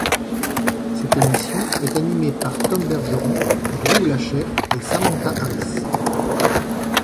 Cette émission est animée par Tom Bergeron, Drew Lachey et Samantha Harris.